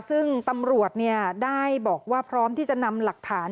ซึ่งตำรวจได้บอกว่าพร้อมที่จะนำหลักฐาน